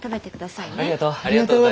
ありがとう。